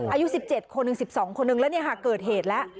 อายุ๑๗คนหนึ่ง๑๒คนหนึ่งแล้วเนี่ยค่ะเกิดเหตุแล้ว